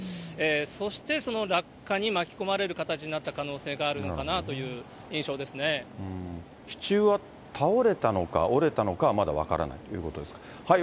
そしてその落下に巻き込まれるような形になった可能性があるのか支柱は倒れたのか、折れたのかはまだ分からないということですか。